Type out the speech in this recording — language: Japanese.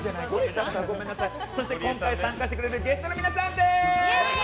そして今回参加してくれるゲストの皆さんです。